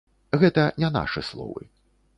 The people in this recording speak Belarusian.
Гэта не нашы словы.